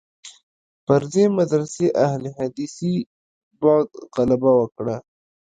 پر دې مدرسې اهل حدیثي بعد غلبه وکړه.